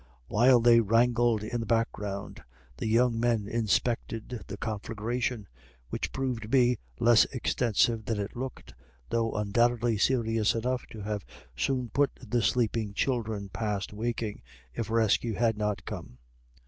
While they wrangled in the background, the young men inspected the conflagration, which proved to be less extensive than it looked, though undoubtedly serious enough to have soon put the sleeping children past waking, if rescue had not come.